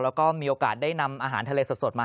แล้วก็มีโอกาสได้นำอาหารทะเลสดมา